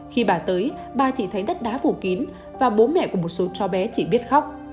khi bà tới bà chỉ thấy đất đá phủ kín và bố mẹ của một số cháu bé chỉ biết khóc